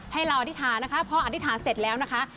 ให้เราอธิษฐานนะคะพออธิษฐานเสร็จแล้วนะคะ